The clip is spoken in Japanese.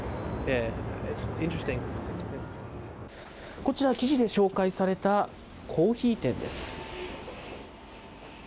こちら、記事で紹介されたコーヒー店です。